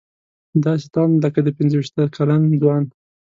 داسې تاند لکه د پنځه ویشت کلن ځوان.